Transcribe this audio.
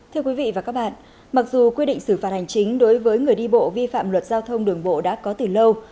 thưa quý vị và các bạn mặc dù quy định xử phạt hành chính đối với người đi bộ vi phạm luật giao thông đường bộ đã có từ lâu